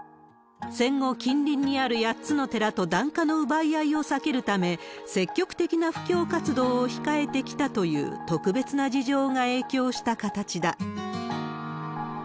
戦後、近隣にある８つの寺と檀家の奪い合いを避けるため、積極的な布教活動を控えてきたという特別な事情が影響した形だ。